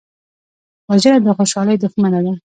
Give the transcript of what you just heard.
وژنه د خوشحالۍ دښمنه ده